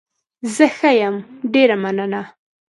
زه ښه يم، ډېره مننه.